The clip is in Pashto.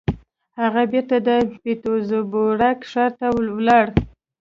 هغه بېرته د پيټرزبورګ ښار ته ولاړ.